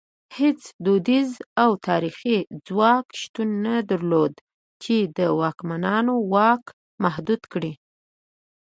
هېڅ دودیز او تاریخي ځواک شتون نه درلود چې د واکمنانو واک محدود کړي.